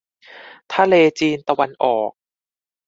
ทะเลจีนตะวันออก